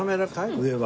上は。